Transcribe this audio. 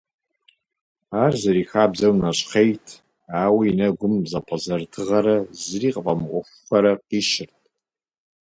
Ар, зэрихабзэу, нэщхъейт, ауэ и нэгум зэпӀэзэрытыгъэрэ зыри къыфӀэмыӀуэхуфэрэ къищырт.